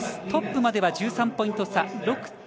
トップまでは１３ポイント差。